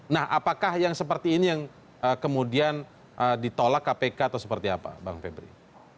nah apakah yang seperti ini yang kemudian ditolak kpk atau seperti apa bang febri